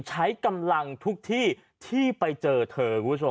ใช้กำลังทุกที่ที่ไปเจอเธอ